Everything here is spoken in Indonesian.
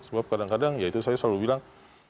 sebab kadang kadang ya itu saya selalu bilang